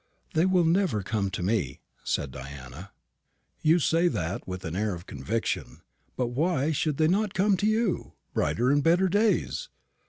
"They will never come to me," said Diana. "You say that with an air of conviction. But why should they not come to you brighter and better days?"